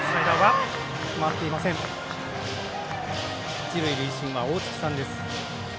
一塁塁審は大槻さんです。